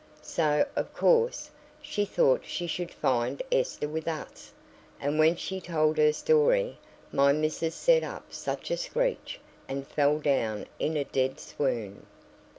So of course she thought she should find Esther with us; and when she told her story, my missis set up such a screech, and fell down in a dead swoon.